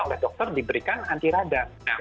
oleh dokter diberikan anti radar